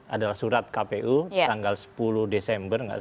adalah surat kpu tanggal sepuluh desember